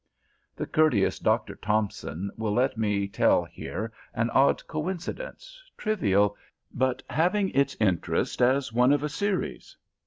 The courteous Dr. Thompson will let me tell here an odd coincidence, trivial, but having its interest as one of a series.